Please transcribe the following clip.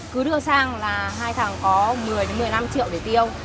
cứ đưa sang là hai thằng có một mươi đến một mươi năm triệu để tiêu